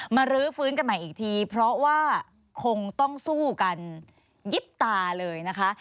รื้อฟื้นกันใหม่อีกทีเพราะว่าคงต้องสู้กันยิบตาเลยนะคะ